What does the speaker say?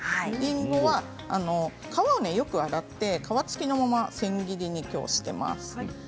りんごは皮をよく洗って皮付きのまま千切りにきょうはしています。